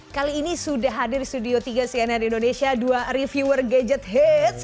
kali ini sudah hadir di studio tiga cnn indonesia dua reviewer gadget heads